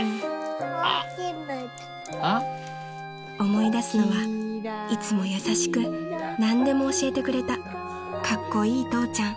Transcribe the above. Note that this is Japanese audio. ［思い出すのはいつも優しく何でも教えてくれたカッコイイ父ちゃん］